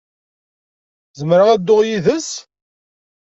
Zemreɣ ad dduɣ yid-s?